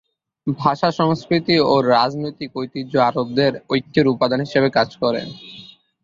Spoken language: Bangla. ভাষা, সংস্কৃতি ও রাজনৈতিক ঐতিহ্য আরবদের ঐক্যের উপাদান হিসেবে কাজ করে।